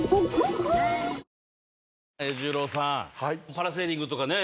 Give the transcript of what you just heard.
パラセーリングとかね